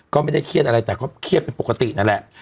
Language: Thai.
ก็ไม่ได้เครียดอะไรแต่ก็เครียดเป็นปกตินั่นแหละ